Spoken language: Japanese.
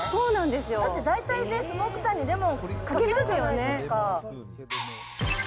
だって大体ね、スモークタンにレモンかけますよね。